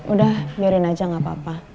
udah biarin aja gak apa apa